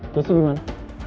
dan itu dimana